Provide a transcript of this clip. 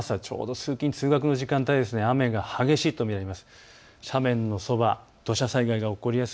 通勤通学の時間帯、雨が激しいと見られます。